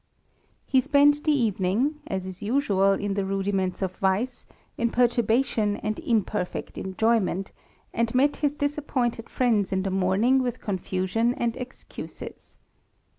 He spent the evening, as is usual in the rudiments of vice, in perturbation and imperfect enjoyment, and met his disappointed friends in the morning with confusion and excuses.